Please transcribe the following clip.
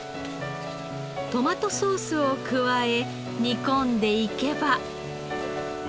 トマトソースを加え煮込んでいけば。